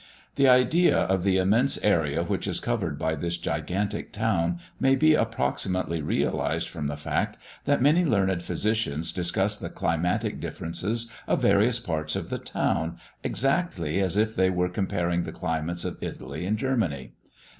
The idea of the immense area which is covered by this gigantic town may be approximatively realised from the fact, that many learned physicians discuss the climatic differences of various parts of the town exactly as if they were comparing the climates of Italy and Germany.